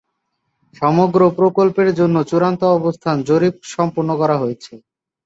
সমগ্র প্রকল্পের জন্য চূড়ান্ত অবস্থান জরিপ সম্পন্ন করা হয়েছে।